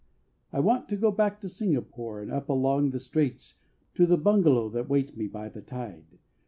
I want to go back to Singapore And up along the Straits To the bungalow that waits me by the tide.